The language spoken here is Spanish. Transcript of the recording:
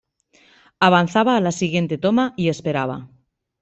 Avanzaba a la siguiente toma y esperaba.